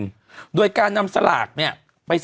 เป็นการกระตุ้นการไหลเวียนของเลือด